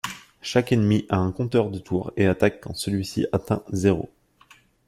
Chaque ennemi a un compteur de tours, et attaque quand celui-ci atteint zéro.